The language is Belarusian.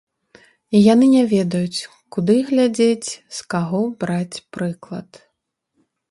І яны не ведаюць, куды глядзець, з каго браць прыклад.